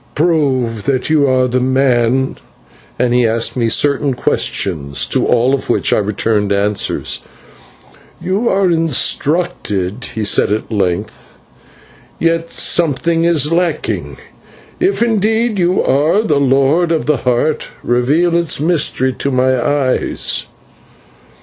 "Prove that you are the man" and he asked me certain, secret questions, to all of which I returned answers. "You are instructed," he said at length, "yet something is lacking; if, indeed, you are the Lord of the Heart, reveal its mystery to my eyes."